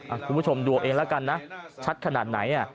คุณผู้ชมดูเอาเองแล้วกันนะชัดขนาดไหน